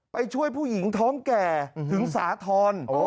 ไปช่วยผู้หญิงท้องแก่ถึงสาธรณ์